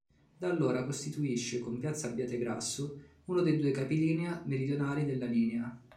Da allora costituisce, con Piazza Abbiategrasso, uno dei due capilinea meridionali della linea.